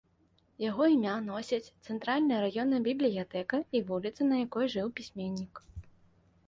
Яго імя носяць цэнтральная раённая бібліятэка і вуліца, на якой жыў пісьменнік.